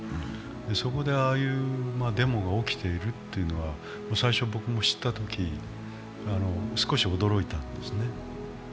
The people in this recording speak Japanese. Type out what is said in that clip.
そこでああいうデモが起きているというのは最初、僕も知ったとき、少し驚いたんですね。